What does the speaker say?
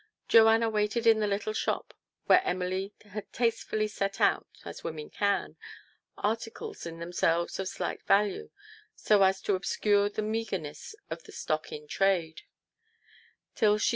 Joanna waited in the little shop, where Emily had tastefully set out as women can articles in themselves of slight value, so as to obscure the meagreness of the stock in trade ; till she TO PLEASE HIS WIFE.